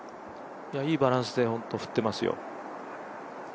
いいバランスで振ってますよ。